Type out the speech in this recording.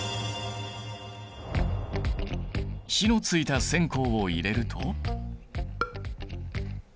火のついた線香を入れると。